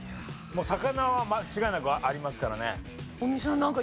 魚は間違いなくありますからね。